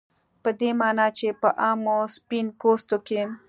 په دې معنا چې په عامو سپین پوستو کې